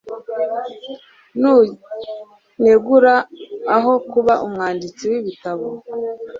Nunegura aho kuba umwanditsi w'ibitabo.